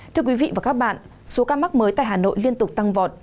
thưa quý vị và các bạn số ca mắc mới tại hà nội liên tục tăng vọt